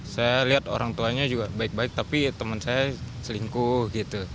saya lihat orang tuanya juga baik baik tapi teman saya selingkuh gitu